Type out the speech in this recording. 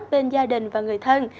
cho nên gia đình và người thân